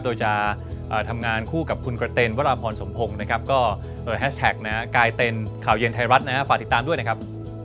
โดยจะทำงานคู่กับคุณกระเต็นวราพรสมพงศ์นะครับก็แฮชแท็กนะฮะกลายเป็นข่าวเย็นไทยรัฐนะฮะฝากติดตามด้วยนะครับ